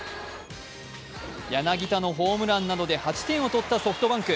柳田のホームランなどで８点を取ったソフトバンク。